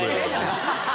ハハハ